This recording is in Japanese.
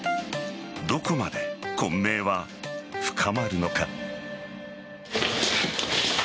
どこまで混迷は深まるのか。